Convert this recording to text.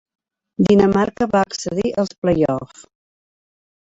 Dinamarca va accedir als playoff.